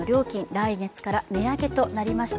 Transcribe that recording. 来月から値上げとなりました。